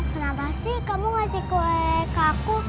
kenapa sih kamu ngasih kue ke aku